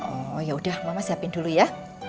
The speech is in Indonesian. oh ya udah mama siapin dulu ya